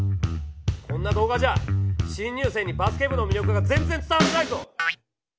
こんな動画じゃあ新入生にバスケ部の魅力が全然伝わらないぞ！